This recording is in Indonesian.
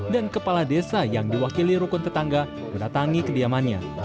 dan kepala desa yang diwakili rukun tetangga menatangi kediamannya